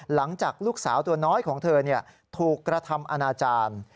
หลังจากลูกสาวตัวน้อยของเธอถูกกระทำอนาจารย์